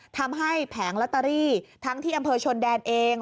ทำให้แผงละตรีทั้งที่อำเภอชนแดนเอง